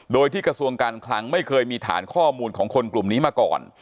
โดยที่กระทรวงการคลังไม่เคยมีฐานข้อมูลของคนกลุ่มนี้มาก่อน